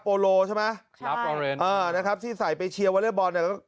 โปโลใช่ไหมนะครับที่ใส่ไปเชียววัลเล็ตบอลนะครับ